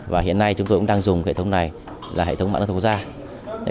và hiện nay chúng tôi cũng đang dùng hệ thống này là hệ thống mạng đấu thầu quốc gia